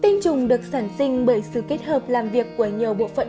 tinh trùng được sản sinh bởi sự kết hợp làm việc của nhiều bộ phận